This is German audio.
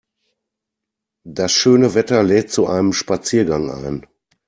Das schöne Wetter lädt zu einem Spaziergang ein.